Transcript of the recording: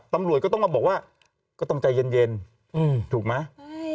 ตำรวจก็ต้องมาบอกว่าก็ต้องใจเย็นถูกไหม